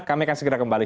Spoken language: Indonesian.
kami akan segera kembali